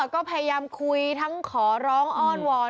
ก็พยายามคุยทั้งขอร้องอ้อนวอน